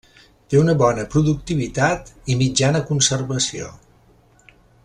Té una bona productivitat i mitjana conservació.